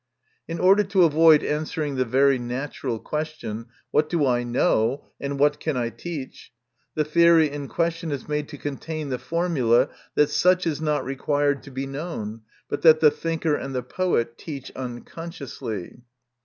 n order to avoid answering the very natural question, " What do I know, and what can I teach ?" the theory in question is made to con tain the formula that such is not required to be known, but that the thinker and the poet teach unconsciously.